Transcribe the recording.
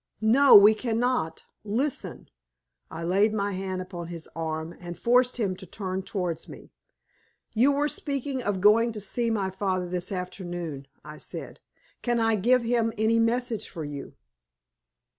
"No, we cannot! Listen!" I laid my hand upon his arm, and forced him to turn towards me. "You were speaking of going to see my father this afternoon," I said. "Can I give him any message for you?"